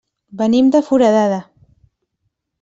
Venim de Foradada.